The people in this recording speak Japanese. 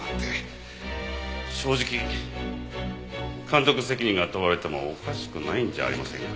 正直監督責任が問われてもおかしくないんじゃありませんか？